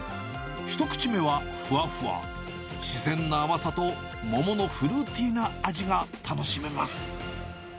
一口目はふわふわ、自然な甘さと桃のフルーティーな味が楽しめます。